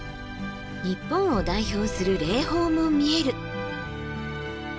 日本を代表する霊峰も見える。